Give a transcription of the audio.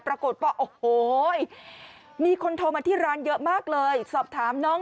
ปรากฏว่าโอ้โหมีคนโทรมาที่ร้านเยอะมากเลยสอบถามน้อง